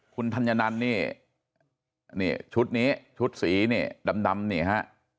คุณธัญนันนี่นี่ชุดนี้ชุดสีนี่ดำนี่ฮะ